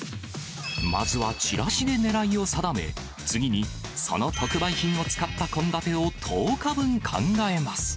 まずはチラシで狙いを定め、次にその特売品を使った献立を１０日分考えます。